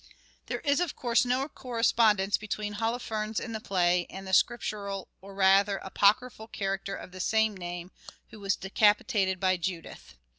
There is, of course, no correspondence between Holofernes in the play and the scriptural, or rather apocryphal character of the same name, who was decapitated by Judith.